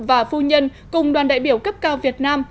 và phu nhân cùng đoàn đại biểu cấp cao việt nam